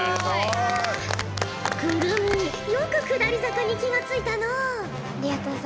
来泉よく下り坂に気が付いたのう。